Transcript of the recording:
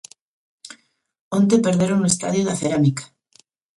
Onte perderon no estadio da Cerámica.